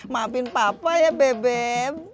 maafin papa ya bebek